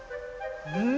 うん！